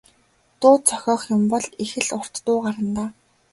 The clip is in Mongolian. Дуу зохиох юм бол их л урт дуу гарна даа.